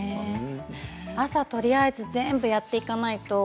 朝とりあえず全部やっていかないと。